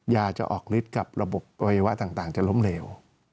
ยาจะออกฤทธิ์กับระบบอวัยวะต่างจะล้มเหลว